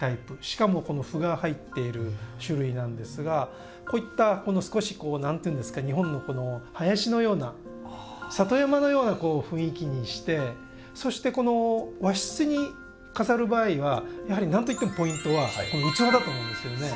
しかもこの斑が入っている種類なんですがこういった少し何ていうんですか日本のこの林のような里山のような雰囲気にしてそして和室に飾る場合はやはり何といってもポイントは器だと思うんですけどね。